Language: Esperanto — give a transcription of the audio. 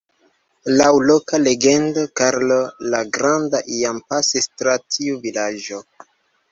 Laŭ loka legendo, Karlo la Granda iam pasis tra tiu vilaĝo.